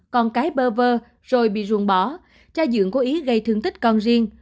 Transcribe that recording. con cái bơ vơ rồi bị ruộng bỏ cha dưỡng có ý gây thương tích con riêng